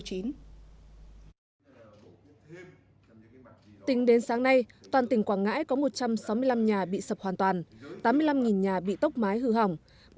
tính đến sáng nay toàn tỉnh quảng ngãi có một trăm sáu mươi năm nhà bị sập hoàn toàn tám mươi năm nhà bị tốc mái hư hỏng